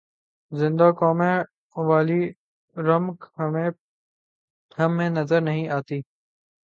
زندہ قوموں والی رمق ہم میں نظر نہیں آتی۔